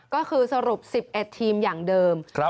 ก็คือสรุป๑๑ทีมอย่างเดิม